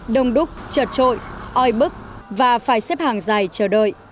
đông đúc trợt trội oi bức và phải xếp hàng dài chờ đợi